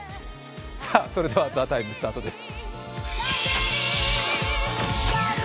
それでは「ＴＨＥＴＩＭＥ，」スタートです。